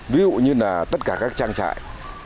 ví dụ như là tất cả các trang trại